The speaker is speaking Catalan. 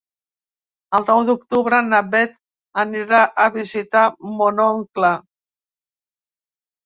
El nou d'octubre na Bet anirà a visitar mon oncle.